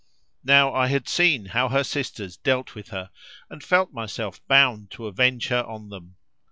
Now I had seen how her sisters dealt with her and felt myself bound to avenge her on them.